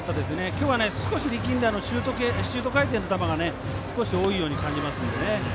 今日は少し、力んでシュート回転の球が少し多いように感じますので。